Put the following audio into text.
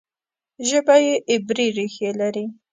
ژبه یې عبري ریښې لري.